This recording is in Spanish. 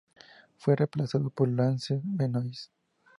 Fue reemplazado por Lance Benoist.